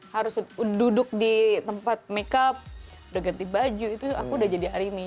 harus duduk di tempat make up udah ganti baju itu aku udah jadi arini